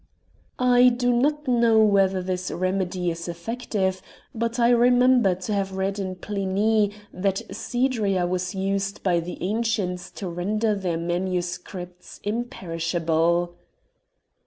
I do not know whether this remedy is effective, but I remember to have read in Pliny that cedria was used by the ancients to render their manuscripts imperishable.